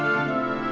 ibu sarah ada surat